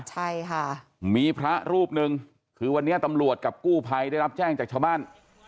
ใช่ค่ะมีพระรูปหนึ่งคือวันนี้ตำรวจกับกู้ภัยได้รับแจ้งจากชาวบ้าน